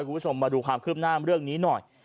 คุณผู้ชมมาดูความคืบหน้าเรื่องนี้หน่อย